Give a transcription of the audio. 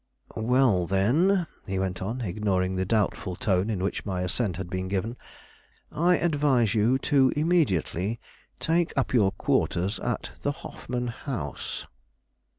"Well, then," he went on, ignoring the doubtful tone in which my assent had been given, "I advise you to immediately take up your quarters at the Hoffman House."